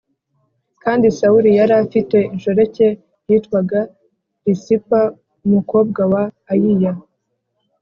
Kandi Sawuli yari afite inshoreke yitwaga Risipa umukobwa wa Ayiya.